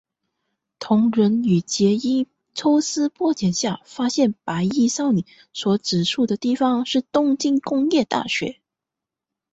桐人与结依抽丝剥茧下发现白衣少女所指出的地方是东都工业大学。